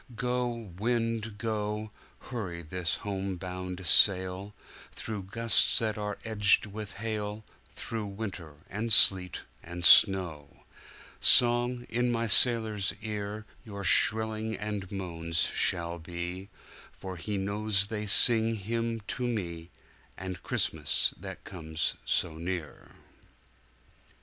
Go, wind, go, Hurry his home bound sail, Through gusts that are edged with hail, Through winter, and sleet, and snow; Song, in my sailor's ear, Your shrilling and moans shall be, For he knows they sing him to meAnd Christmas that comes so near.